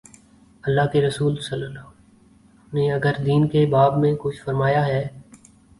اﷲ کے رسولﷺ نے اگر دین کے باب میں کچھ فرمایا ہے۔